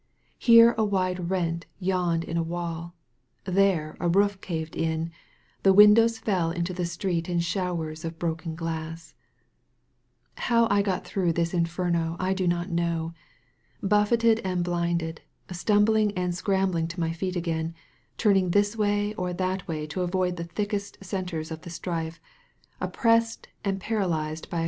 Here a wide rent yawned in a wall — ^there a roof caved in — ^the win dows fell into the street in showers of broken How I got through this inferno I do not know. Buffeted and bUnded, stumbling and scrambling to my feet again, turning this way or that way to avoid the thickest centres of the strife, oppressed and paralyzed by a.